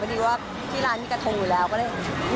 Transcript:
ดีว่าที่ร้านมีกระทงอยู่แล้วก็เลย